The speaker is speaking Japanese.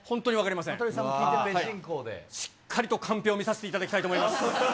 しっかりとカンペを見させていただきたいと思います。